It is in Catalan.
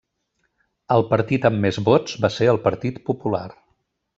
El partit amb més vots va ser el Partit popular.